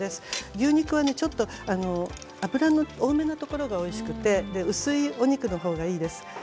牛肉は脂多めのところがおいしくて薄いお肉の方がいいです。